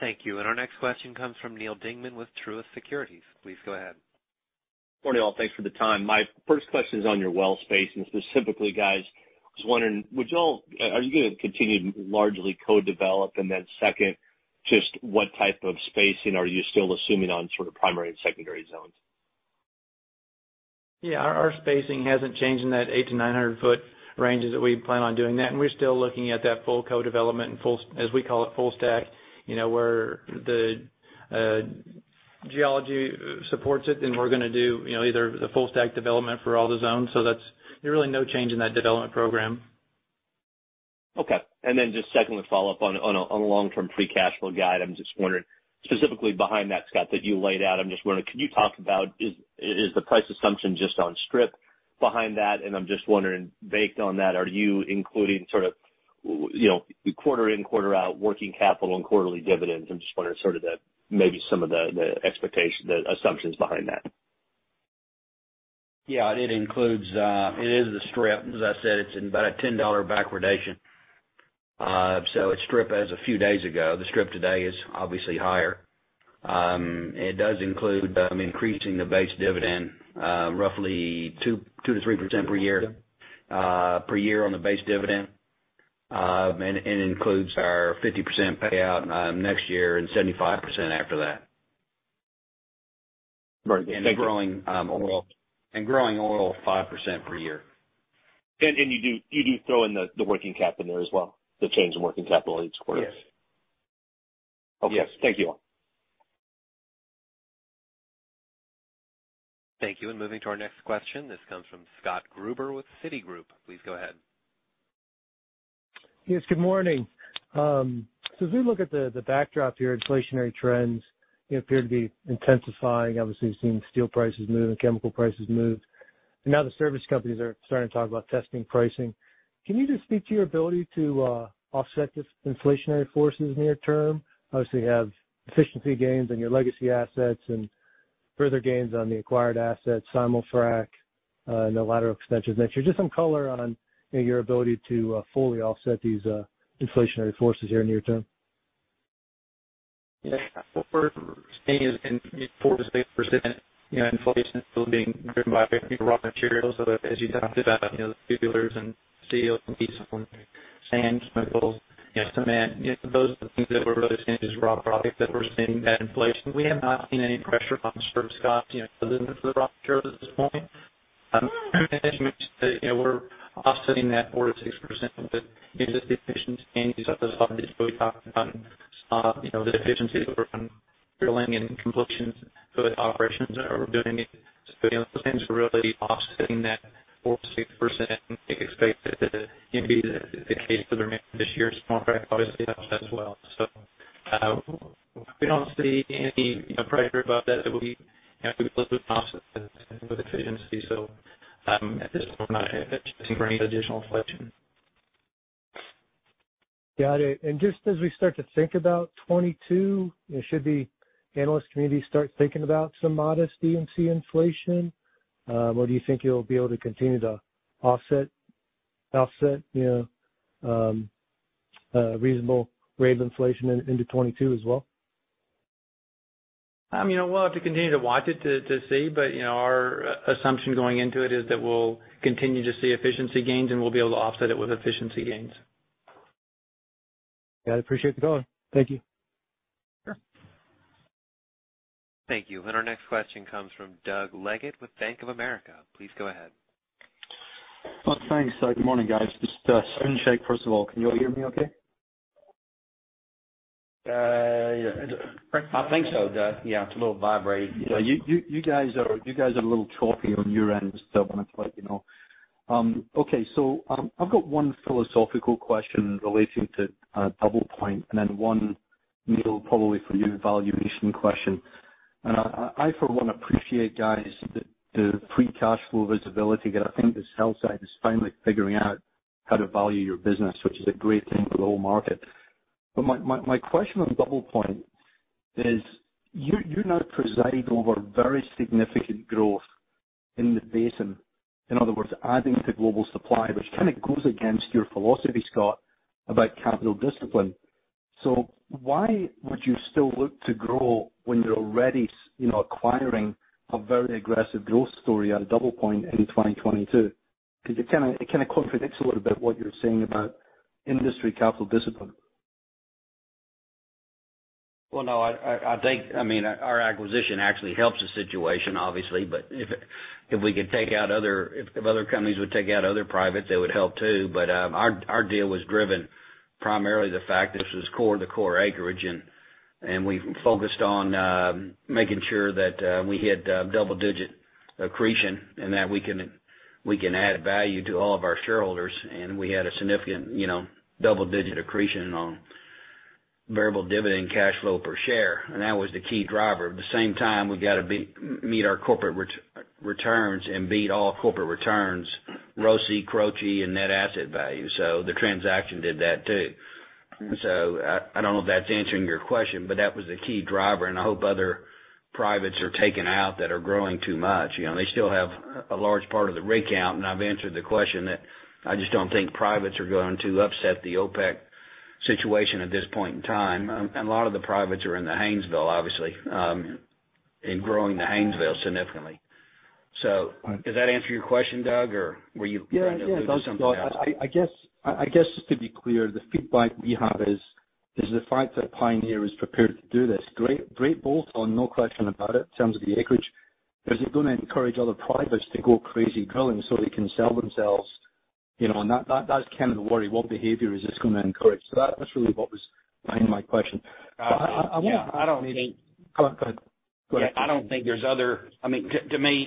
Thank you. Our next question comes from Neal Dingmann with Truist Securities. Please go ahead. Good morning, all. Thanks for the time. My first question is on your well spacing. Specifically, guys, I was wondering, are you going to continue to largely co-develop? Second, just what type of spacing are you still assuming on sort of primary and secondary zones? Our spacing hasn't changed in that 800 ft to 900 ft ranges that we plan on doing that. We're still looking at that full co-development and, as we call it, full stack. Where the geology supports it, then we're going to do either the full stack development for all the zones. There's really no change in that development program. Okay. Just secondly, follow up on long-term free cash flow guide. I'm just wondering specifically behind that, Scott, that you laid out. I'm just wondering, could you talk about is the price assumption just on strip behind that? I'm just wondering, based on that, are you including sort of quarter in, quarter out working capital and quarterly dividends? I'm just wondering sort of maybe some of the assumptions behind that. It is the strip. As I said, it's about a $10 backwardation. It's strip as a few days ago. The strip today is obviously higher. It does include increasing the base dividend roughly 2%-3% per year on the base dividend. It includes our 50% payout next year and 75% after that. Right. Thank you. Growing oil 5% per year. You do throw in the working cap in there as well, the change in working capital each quarter? Yes. Okay. Thank you all. Thank you. Moving to our next question. This comes from Scott Gruber with Citigroup. Please go ahead. Yes, good morning. As we look at the backdrop here, inflationary trends appear to be intensifying. Obviously, we've seen steel prices move and chemical prices move, and now the service companies are starting to talk about testing pricing. Can you just speak to your ability to offset this inflationary forces near term? Obviously, you have efficiency gains in your legacy assets and further gains on the acquired assets, simul-frac, and the lateral extensions. Just some color on your ability to fully offset these inflationary forces here near term. Yeah. What we're seeing is 4%-6% inflation still being driven by raw materials. As you talked about, the tubulars and steel and diesel and sand, chemicals, cement, those are the things that we're really seeing as raw products that we're seeing that inflation. We have not seen any pressure on service, Scott. The limits of the raw materials at this point. Management, we're offsetting that 4%-6% with the efficiency gains we talked about, the efficiencies that we're finding in drilling and completions. The operations that are building it. Those things are really offsetting that 4%-6% they expect it to be the case for the remainder of this year. Small factor, obviously, as well. We don't see any pressure above that that we have to be able to offset with efficiency. At this point, we're not anticipating any additional inflation. Got it. Just as we start to think about 2022, should the analyst community start thinking about some modest D&C inflation? Do you think you'll be able to continue to offset reasonable rate of inflation into 2022 as well? We'll have to continue to watch it to see, but our assumption going into it is that we'll continue to see efficiency gains, and we'll be able to offset it with efficiency gains. Got it. Appreciate the call. Thank you. Sure. Thank you. Our next question comes from Doug Leggate with Bank of America. Please go ahead. Well, thanks. Good morning, guys. Just sound check first of all. Can you all hear me okay? I think so, Doug. Yeah, it's a little vibrate. You guys are a little choppy on your end, so I wanted to let you know. I've got one philosophical question relating to DoublePoint and then one, Neal, probably for you, a valuation question. I, for one, appreciate, guys, the free cash flow visibility that I think the sell side is finally figuring out how to value your business, which is a great thing for the whole market. My question on DoublePoint is, you now preside over very significant growth in the basin. In other words, adding to global supply, which kind of goes against your philosophy, Scott, about capital discipline. Why would you still look to grow when you're already acquiring a very aggressive growth story out of DoublePoint in 2022? It kind of contradicts a little bit what you're saying about industry capital discipline. Well, no, I think our acquisition actually helps the situation, obviously. If other companies would take out other privates, that would help too. Our deal was driven primarily the fact this was the core acreage, and we focused on making sure that we hit double-digit accretion, and that we can add value to all of our shareholders. We had a significant double-digit accretion on variable dividend cash flow per share. That was the key driver. At the same time, we've got to meet our corporate returns and beat all corporate returns, ROCE, CROCI, and net asset value. The transaction did that too. I don't know if that's answering your question, but that was the key driver. I hope other privates are taken out that are growing too much. They still have a large part of the rig count, and I've answered the question that I just don't think privates are going to upset the OPEC situation at this point in time. A lot of the privates are in the Haynesville, obviously, and growing the Haynesville significantly. Does that answer your question, Doug? Or were you getting at something else? Yeah. It does, Scott. I guess just to be clear, the feedback we have is the fact that Pioneer is prepared to do this. Great bolt on, no question about it, in terms of the acreage. Is it going to encourage other privates to go crazy growing so they can sell themselves? That's kind of the worry. What behavior is this going to encourage? That's really what was behind my question. Yeah. Go ahead. To me,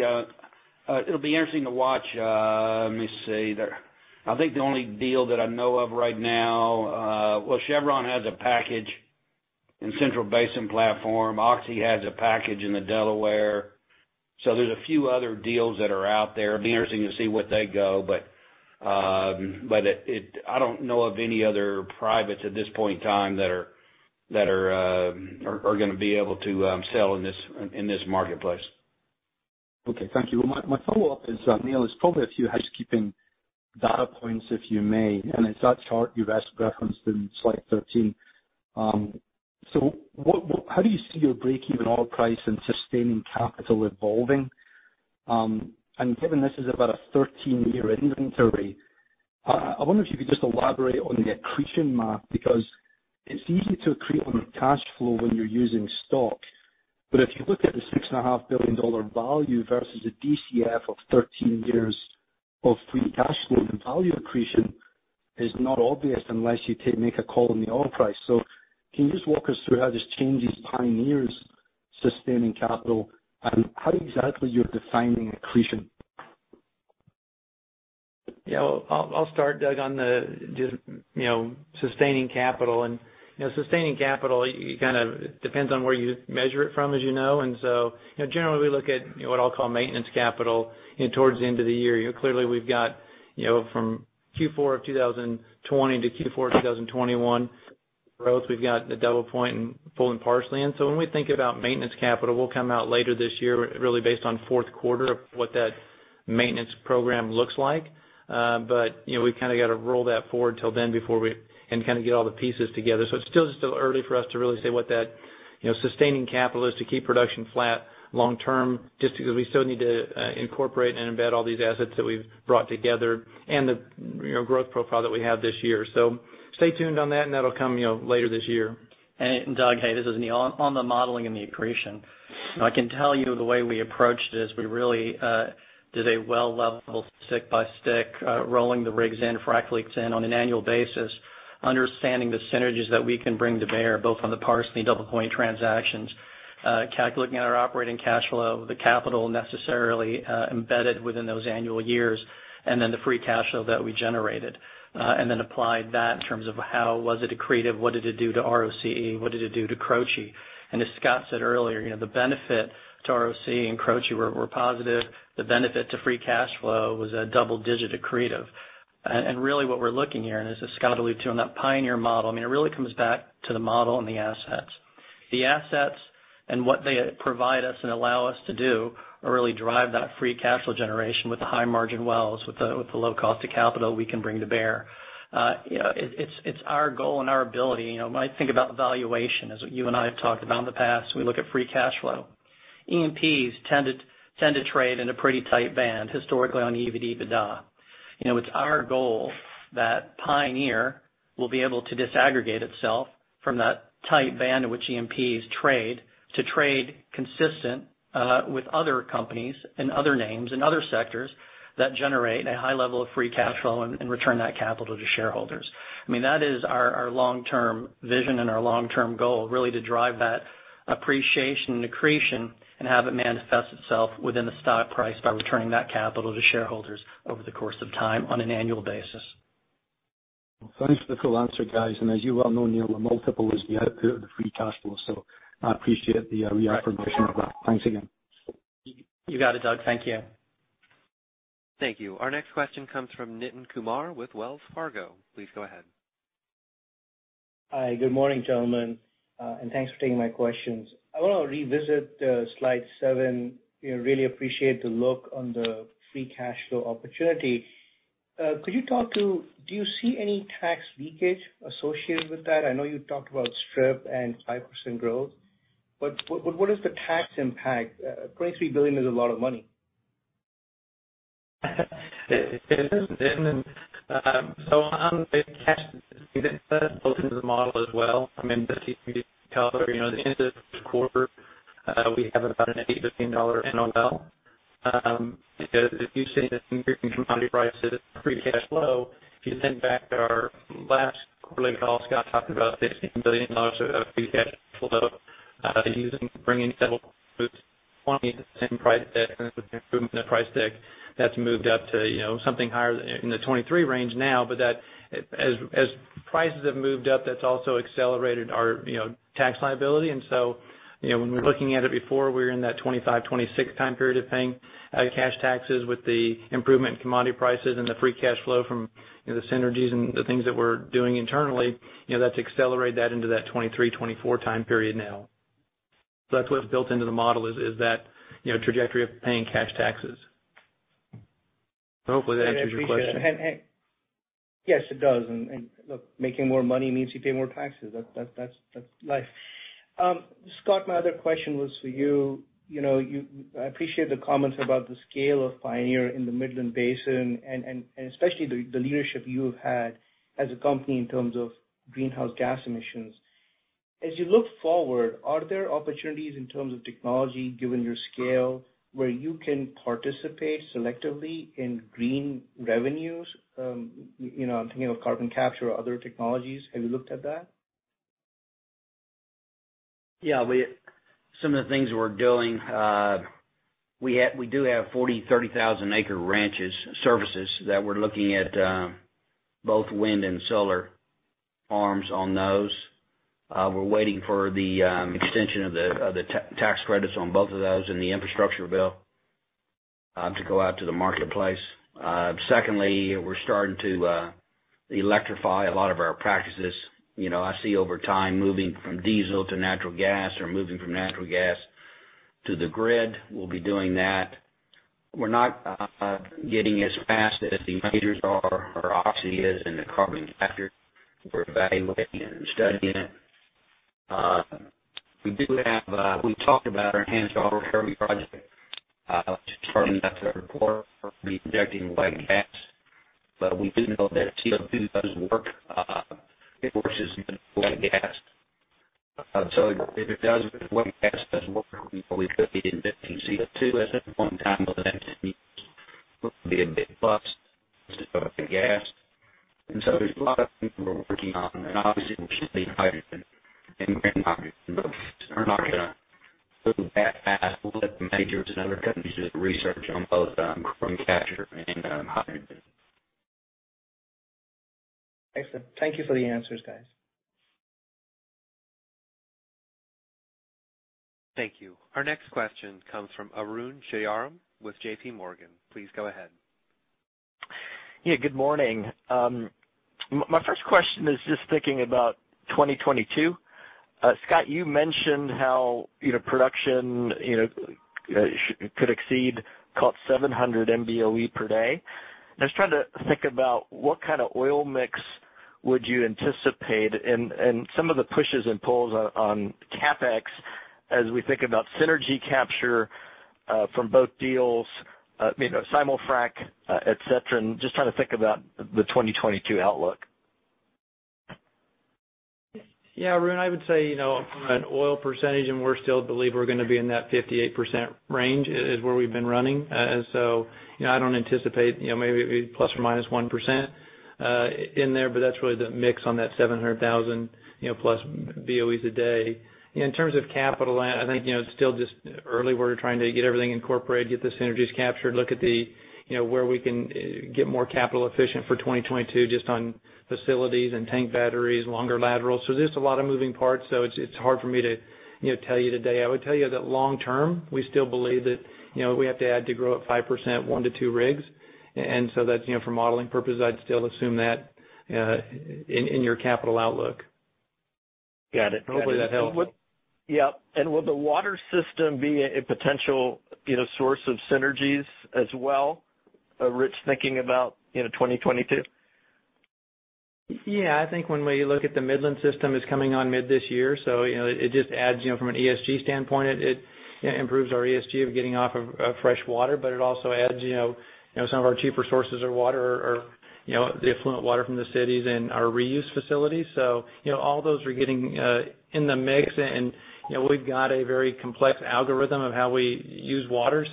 it'll be interesting to watch. Let me see. I think the only deal that I know of right now, well, Chevron has a package in Central Basin Platform. Oxy has a package in the Delaware. There's a few other deals that are out there. It'll be interesting to see what they go. I don't know of any other privates at this point in time that are going to be able to sell in this marketplace. Okay, thank you. My follow-up is, Neal, it's probably a few housekeeping data points, if you may. It's that chart you guys referenced in slide 13. How do you see your breakeven oil price and sustaining capital evolving? Given this is about a 13-year inventory, I wonder if you could just elaborate on the accretion math, because it's easy to accrete on cash flow when you're using stock. If you look at the $6.5 billion value versus a DCF of 13 years of free cash flow, the value accretion is not obvious unless you make a call on the oil price. Can you just walk us through how this changes Pioneer's sustaining capital, and how exactly you're defining accretion? Yeah. I'll start, Doug, on the sustaining capital. Sustaining capital, it kind of depends on where you measure it from, as you know. Generally, we look at what I'll call maintenance capital towards the end of the year. Clearly, we've got from Q4 of 2020 to Q4 2021 growth. We've got the DoublePoint and Parsley. When we think about maintenance capital, we'll come out later this year, really based on fourth quarter of what that maintenance program looks like. We've kind of got to roll that forward till then and kind of get all the pieces together. It's still early for us to really say what that sustaining capital is to keep production flat long term, just because we still need to incorporate and embed all these assets that we've brought together and the growth profile that we have this year. Stay tuned on that, and that'll come later this year. Doug, hey, this is Neal. On the modeling and the accretion, I can tell you the way we approached this, we really did a well level stick by stick, rolling the rigs in, frack fleets in on an annual basis. Understanding the synergies that we can bring to bear, both on the Parsley and DoublePoint transactions. Looking at our operating cash flow, the capital necessarily embedded within those annual years, and then the free cash flow that we generated. Then applied that in terms of how was it accretive, what did it do to ROCE, what did it do to CROCI? As Scott said earlier, the benefit to ROCE and CROCI were positive. The benefit to free cash flow was a double-digit accretive. Really what we're looking here, and as Scott alluded to on that Pioneer model, it really comes back to the model and the assets. The assets and what they provide us and allow us to do really drive that free cash flow generation with the high margin wells, with the low cost of capital we can bring to bear. It's our goal and our ability. When I think about valuation, as you and I have talked about in the past, we look at free cash flow. E&Ps tend to trade in a pretty tight band historically on EBITDA. It's our goal that Pioneer will be able to disaggregate itself from that tight band in which E&Ps trade, to trade consistent with other companies and other names and other sectors that generate a high level of free cash flow and return that capital to shareholders. That is our long-term vision and our long-term goal, really to drive that appreciation, accretion, and have it manifest itself within the stock price by returning that capital to shareholders over the course of time on an annual basis. Thanks for the full answer, guys. As you well know, Neal, the multiple is the output of the free cash flow. I appreciate the reaffirmation of that. Thanks again. You got it, Doug. Thank you. Thank you. Our next question comes from Nitin Kumar with Wells Fargo. Please go ahead. Hi. Good morning, gentlemen, and thanks for taking my questions. I want to revisit slide seven. Really appreciate the look on the free cash flow opportunity. Do you see any tax leakage associated with that? I know you talked about strip and 5% growth, but what is the tax impact? $23 billion is a lot of money. It is, Nitin. On the cash built into the model as well. I mean, that's easy to tell. At the end of the quarter, we have about an [$18 billion NOL. As you've seen the increase in commodity prices, free cash flow, if you think back to our last quarterly call, Scott talked about $16 billion of free cash flow, bringing [several boots] to the party, the same price deck. Since the improvement in the price deck, that's moved up to something higher, in the 2023 range now. As prices have moved up, that's also accelerated our tax liability. When we were looking at it before, we were in that 2025-2026 time period of paying cash taxes with the improvement in commodity prices and the free cash flow from the synergies and the things that we're doing internally. That's accelerated that into that 2023, 2024 time period now. That's what's built into the model, is that trajectory of paying cash taxes. Hopefully that answers your question. I appreciate it. Yes, it does. Look, making more money means you pay more taxes. That's life. Scott, my other question was for you. I appreciate the comments about the scale of Pioneer in the Midland Basin and especially the leadership you have had as a company in terms of greenhouse gas emissions. As you look forward, are there opportunities in terms of technology, given your scale, where you can participate selectively in green revenues? I'm thinking of carbon capture or other technologies. Have you looked at that? Yeah. Some of the things we're doing, we do have 40,000, 30,000 acre ranches, surfaces that we're looking at, both wind and solar farms on those. We're waiting for the extension of the tax credits on both of those in the infrastructure bill to go out to the marketplace. Secondly, we're starting to electrify a lot of our practices. I see over time, moving from diesel to natural gas or moving from natural gas to the grid. We'll be doing that. We're not getting as fast as the majors are or Oxy is in the carbon capture. We're evaluating it and studying it. We've talked about our enhanced oil recovery project starting after the quarter for injecting wet gas. We do know that CO2 does work versus the wet gas. If wet gas does work, we probably could be injecting CO2 at some point in time within 10 years, which would be a big plus versus both the gas. There's a lot of things we're working on. Obviously we're seeing hydrogen and green hydrogen, but we're not going to move that fast. We'll let the majors and other companies do the research on both carbon capture and hydrogen. Excellent. Thank you for the answers, guys. Thank you. Our next question comes from Arun Jayaram with JPMorgan. Please go ahead. Yeah, good morning. My first question is just thinking about 2022. Scott, you mentioned how production could exceed 700,000 BOE per day. I was trying to think about what kind of oil mix would you anticipate, and some of the pushes and pulls on CapEx as we think about synergy capture from both deals, simul-frac, et cetera, and just trying to think about the 2022 outlook. Arun, I would say, from an oil percentage, and we still believe we're going to be in that 58% range, is where we've been running. Maybe it'll be ±1% in there, but that's really the mix on that 700,000+ BOEs a day. In terms of capital, I think it's still just early. We're trying to get everything incorporated, get the synergies captured, look at where we can get more capital efficient for 2022 just on facilities and tank batteries, longer laterals. There's a lot of moving parts, so it's hard for me to tell you today. I would tell you that long term, we still believe that we have to add to grow at 5%, 1-2 rigs. That's for modeling purposes, I'd still assume that in your capital outlook. Got it. Hopefully that helps. Yeah. Will the water system be a potential source of synergies as well, Rich, thinking about 2022? I think when we look at the Midland system, it's coming on mid this year. It just adds from an ESG standpoint. It improves our ESG of getting off of fresh water, but it also adds some of our cheaper sources of water, or the effluent water from the cities and our reuse facilities. All those are getting in the mix. We've got a very complex algorithm of how we use water.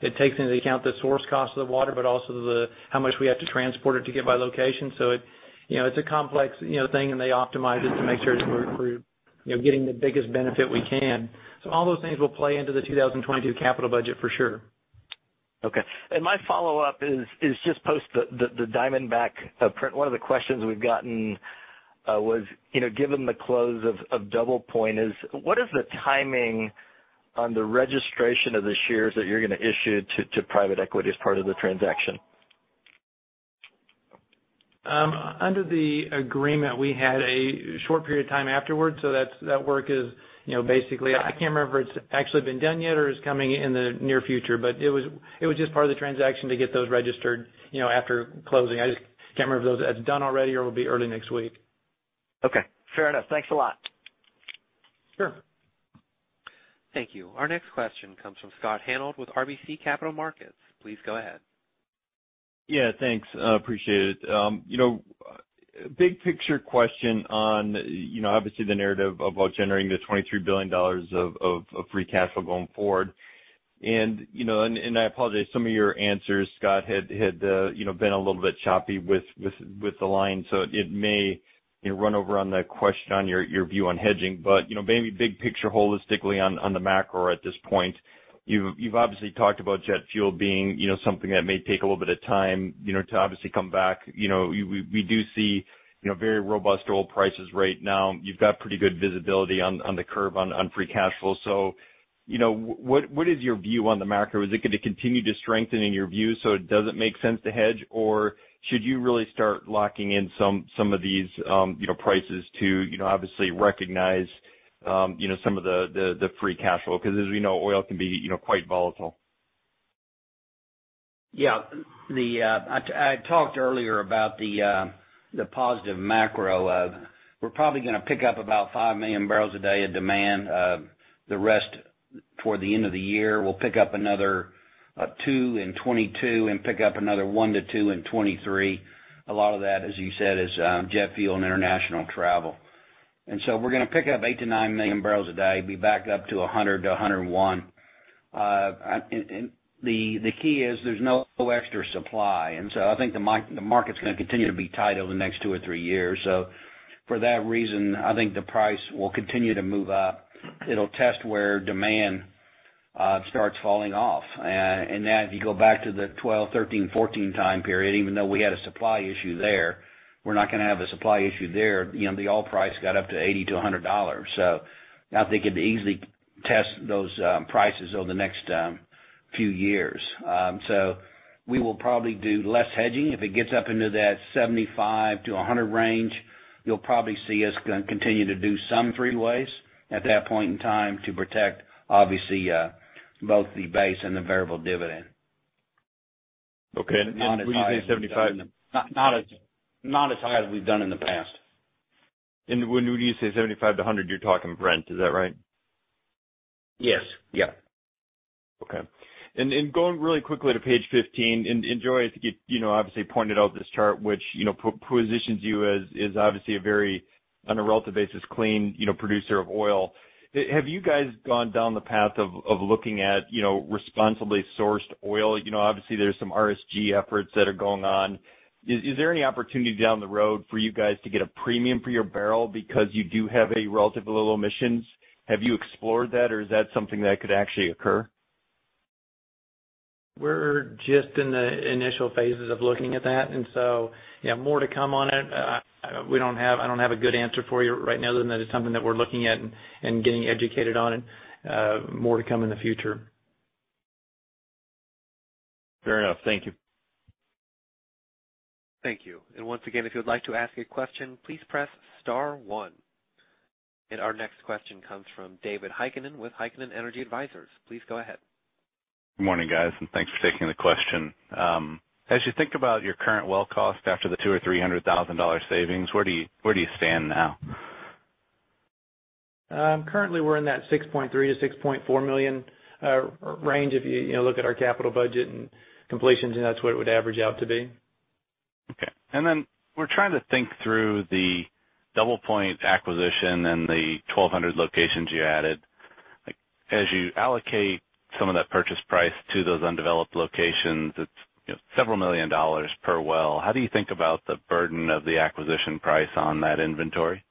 It takes into account the source cost of the water, but also how much we have to transport it to get by location. It's a complex thing, and they optimize it to make sure that we're getting the biggest benefit we can. All those things will play into the 2022 capital budget for sure. Okay. My follow-up is just post the Diamondback print. One of the questions we've gotten was, given the close of DoublePoint is, what is the timing on the registration of the shares that you're going to issue to private equity as part of the transaction? Under the agreement, we had a short period of time afterwards. I can't remember if it's actually been done yet or is coming in the near future. It was just part of the transaction to get those registered after closing. I just can't remember if that's done already or it'll be early next week. Okay. Fair enough. Thanks a lot. Sure. Thank you. Our next question comes from Scott Hanold with RBC Capital Markets. Please go ahead. Yeah, thanks. Appreciate it. Big picture question on obviously the narrative about generating the $23 billion of free cash flow going forward. I apologize, some of your answers, Scott, had been a little bit choppy with the line, so it may run over on the question on your view on hedging. Maybe big picture holistically on the macro at this point. You've obviously talked about jet fuel being something that may take a little bit of time to obviously come back. We do see very robust oil prices right now. You've got pretty good visibility on the curve on free cash flow. What is your view on the macro? Is it going to continue to strengthen in your view, so it doesn't make sense to hedge? Should you really start locking in some of these prices to obviously recognize some of the free cash flow? As we know, oil can be quite volatile. Yeah. I talked earlier about the positive macro of we're probably going to pick up about 5 million barrels a day of demand. The rest toward the end of the year. We'll pick up another 2 million barrels in 2022, pick up another 1 million to 2 million barrels in 2023. A lot of that, as you said, is jet fuel and international travel. We're going to pick up 8 million to 9 million barrels a day. Be back up to 100 to 101. The key is there's no extra supply. I think the market's going to continue to be tight over the next two or three years. For that reason, I think the price will continue to move up. It'll test where demand starts falling off. As you go back to the 2012, 2013, 2014 time period, even though we had a supply issue there, we're not going to have a supply issue there. The oil price got up to $80-$100. I think it'd easily test those prices over the next few years. We will probably do less hedging. If it gets up into that $75-$100 range, you'll probably see us continue to do some three-ways at that point in time to protect, obviously, both the base and the variable dividend. Okay. when you say $75- Not as high as we've done in the past. When you say $75-$100, you're talking Brent, is that right? Yes. Okay. Going really quickly to page 15, Joey, I think you obviously pointed out this chart, which positions you as obviously a very, on a relative basis, clean producer of oil. Have you guys gone down the path of looking at responsibly sourced oil? Obviously, there's some RSG efforts that are going on. Is there any opportunity down the road for you guys to get a premium for your barrel because you do have a relatively low emissions? Have you explored that, or is that something that could actually occur? We're just in the initial phases of looking at that. More to come on it. I don't have a good answer for you right now, other than that it's something that we're looking at and getting educated on, and more to come in the future. Fair enough. Thank you. Thank you. Once again, if you would like to ask a question, please press star one. Our next question comes from David Heikkinen with Heikkinen Energy Advisors. Please go ahead. Good morning, guys. Thanks for taking the question. As you think about your current well cost after the $200,000 or $300,000 savings, where do you stand now? Currently, we're in that $6.3 million-$6.4 million range. If you look at our capital budget and completions, that's what it would average out to be. Okay. We're trying to think through the DoublePoint acquisition and the 1,200 locations you added. As you allocate some of that purchase price to those undeveloped locations, it's several million dollars per well. How do you think about the burden of the acquisition price on that inventory?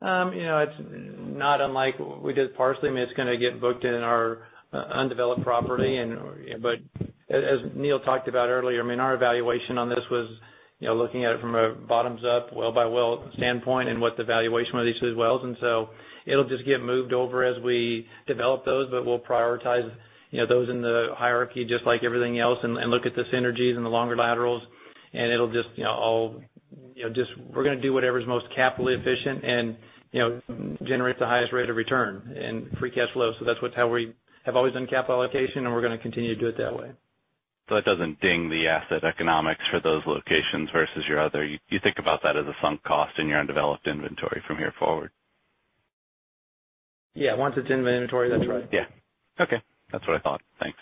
It's not unlike we did Parsley. It's going to get booked in our undeveloped property. As Neal talked about earlier, our evaluation on this was looking at it from a bottoms-up, well-by-well standpoint and what the valuation of each of these wells, it'll just get moved over as we develop those. We'll prioritize those in the hierarchy just like everything else and look at the synergies and the longer laterals. We're going to do whatever's most capitally efficient and generates the highest rate of return in free cash flow. That's how we have always done capital allocation, and we're going to continue to do it that way. It doesn't ding the asset economics for those locations versus your other. You think about that as a sunk cost in your undeveloped inventory from here forward? Yeah. Once it's in inventory. That's right. Yeah. Okay. That's what I thought. Thanks.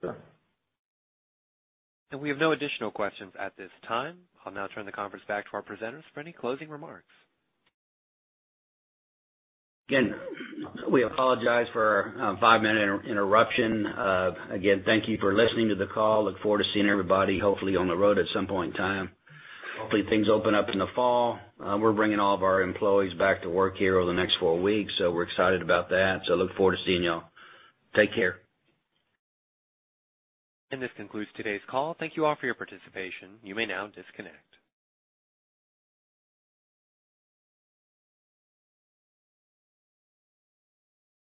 Sure. We have no additional questions at this time. I'll now turn the conference back to our presenters for any closing remarks. We apologize for our five-minute interruption. Thank you for listening to the call. Look forward to seeing everybody, hopefully, on the road at some point in time. Hopefully, things open up in the fall. We're bringing all of our employees back to work here over the next four weeks, so we're excited about that. Look forward to seeing you all. Take care. This concludes today's call. Thank you all for your participation. You may now disconnect.